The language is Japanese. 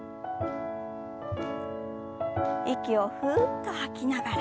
息をふっと吐きながら。